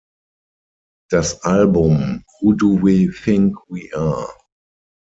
Das Album "Who Do We Think We Are!